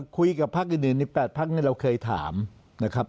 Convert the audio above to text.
คุยกับพักอื่นใน๘พักนี่เราเคยถามนะครับ